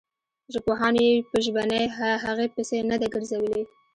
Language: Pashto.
ژبپوهانو یې په ژبنۍ هغې پسې نه ده ګرځولې.